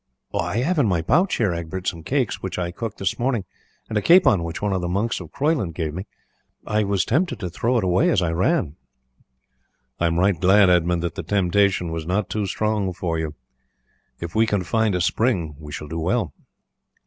"I have in my pouch here, Egbert, some cakes, which I cooked this morning, and a capon which one of the monks of Croyland gave me. I was tempted to throw it away as I ran." "I am right glad, Edmund, that the temptation was not too strong for you. If we can find a spring we shall do well."